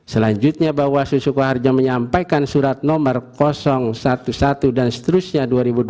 selanjutnya bawaslu sukoharjo menyampaikan surat nomor sebelas dan seterusnya dua ribu dua puluh